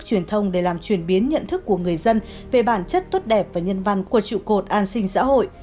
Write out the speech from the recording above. truyền thông để làm truyền biến nhận thức của người dân về bản chất tốt đẹp và nhân văn của trụ cột an sinh xã hội